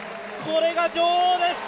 これが女王です！